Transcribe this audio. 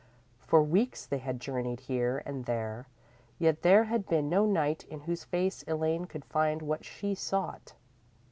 For weeks they had journeyed here and there, yet there had been no knight in whose face Elaine could find what she sought.